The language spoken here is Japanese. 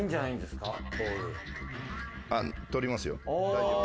大丈夫。